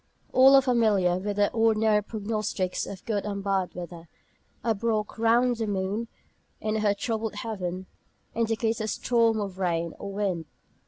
All are familiar with the ordinary prognostics of good and bad weather. A "broch" round the moon, in her troubled heaven, indicates a storm of rain or wind.